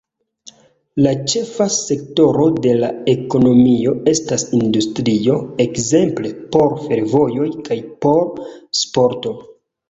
La ĉefa sektoro de la ekonomio estas industrio, ekzemple por fervojoj kaj por sporto.